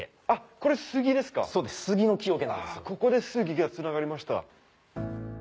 ここで杉がつながりました。